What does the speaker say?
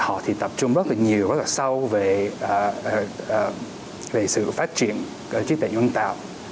họ tập trung rất nhiều rất là sâu về sự phát triển trí tuệ nhân tạo